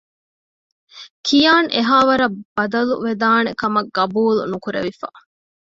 ކިޔާން އެހާވަަރަށް ބަދަލުވެދާނެ ކަމަށް ޤަބޫލުނުކުރެވިފަ